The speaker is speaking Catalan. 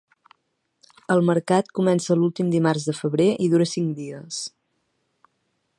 El mercat comença l'últim dimarts de febrer i dura cinc dies.